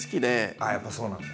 ああやっぱそうなんだ。